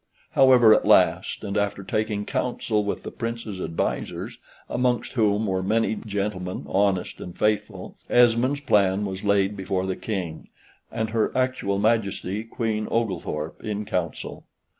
However, at last, and after taking counsel with the Prince's advisers, amongst whom were many gentlemen, honest and faithful, Esmond's plan was laid before the King, and her actual Majesty Queen Oglethorpe, in council.